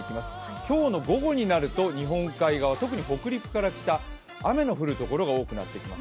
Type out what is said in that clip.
今日の午後になると日本海側、特に北陸から北、雨の降る所が多くなってきます。